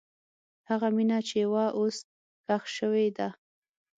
هغه مینه چې وه، اوس ښخ شوې ده.